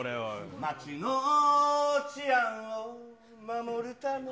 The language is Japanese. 街の治安を守るためー。